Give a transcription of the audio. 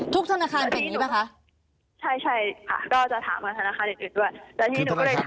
ทุกธนาคารเป็นอย่างนี้ไหมคะใช่ใช่ค่ะก็จะถามกับธนาคารอื่นด้วยแล้วที่หนูก็ได้ถามคำถามอำเภอ